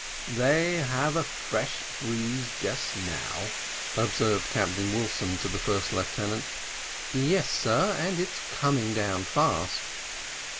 "They have a fresh breeze just now," observed Captain Wilson to the first lieutenant. "Yes, sir, and it's coming down fast."